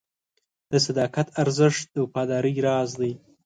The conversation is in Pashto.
د صداقت ارزښت د وفادارۍ راز دی.